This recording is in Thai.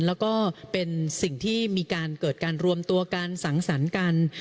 แล้วก็เป็นสิ่งที่มีการเกิดการรวมตัวกันสังสรรค์กัน